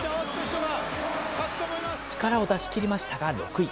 力を出し切りましたが６位。